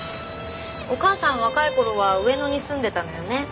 お母さん若い頃は上野に住んでたのよね？